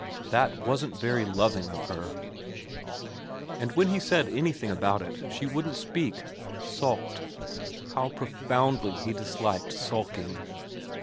That wasn't very loving of her. And when he said anything about it she wouldn't speak. Sulked. How profoundly he disliked sulking.